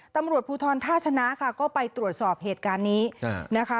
ตำรวจภูทรท่าชนะค่ะก็ไปตรวจสอบเหตุการณ์นี้นะคะ